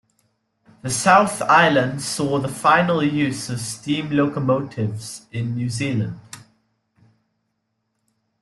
The South Island saw the final use of steam locomotives in New Zealand.